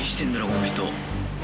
この人。